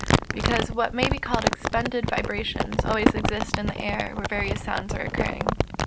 _ Because what may be called expended vibrations always exist in air where various sounds are occurring.